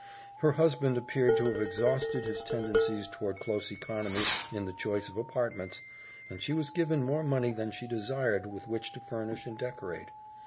Her husband appeared to have exhausted his tendencies toward close economy in the choice of apartments, and she was given more money than she desired with which to furnish and decorate.